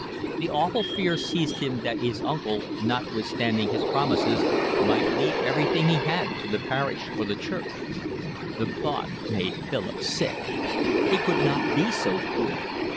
The awful fear seized him that his uncle, notwithstanding his promises, might leave everything he had to the parish or the church. The thought made Philip sick. He could not be so cruel.